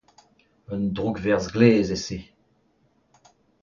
Un droukverzh glez eo se.